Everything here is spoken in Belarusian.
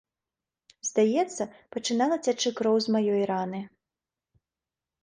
Здаецца, пачынала цячы кроў з маёй раны.